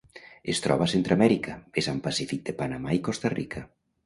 Es troba a Centreamèrica: vessant pacífic de Panamà i Costa Rica.